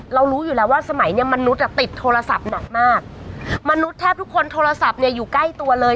รู้อยู่แล้วว่าสมัยเนี้ยมนุษย์อ่ะติดโทรศัพท์หนักมากมนุษย์แทบทุกคนโทรศัพท์เนี่ยอยู่ใกล้ตัวเลย